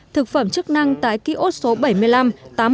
thực phẩm chức năng tại ký ốt số bảy mươi năm tám mươi a